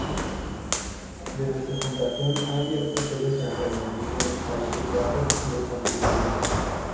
Desde su fundación ha abierto sedes en Reino Unido, Países Bajos y Escandinavia.